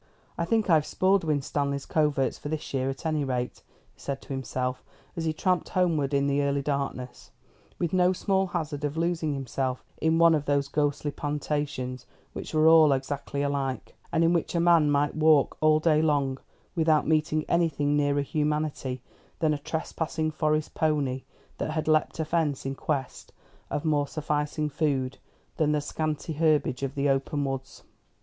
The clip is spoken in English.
"I think I've spoiled Winstanley's coverts for this year, at any rate," he said to himself, as he tramped homewards in the early darkness, with no small hazard of losing himself in one of those ghostly plantations, which were all exactly alike, and in which a man might walk all day long without meeting anything nearer humanity than a trespassing forest pony that had leapt a fence in quest of more sufficing food than the scanty herbage of the open woods.